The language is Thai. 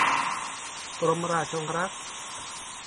กรมราชองครักษ์